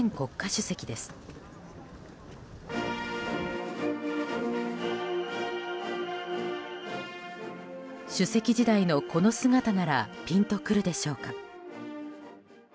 主席時代の、この姿ならピンとくるでしょうか。